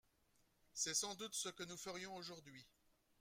C’est sans doute ce que nous ferions aujourd’hui.